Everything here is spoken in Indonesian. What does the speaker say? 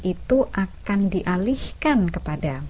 itu akan dialihkan kepada